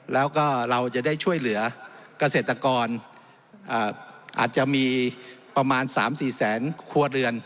แล้วก็เราจะได้ช่วยเหลือเกษตรกรอาจจะมีประมาณ๓๔แสนครัวเรือน